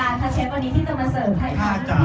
อายมากครับเพราะมันซ่อนอยู่